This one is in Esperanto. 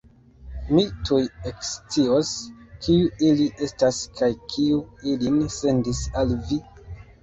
Mi tuj ekscios, kiu ili estas kaj kiu ilin sendis al vi!